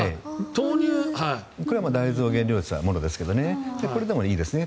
これも大豆を原料としたものですがこれでもいいですね。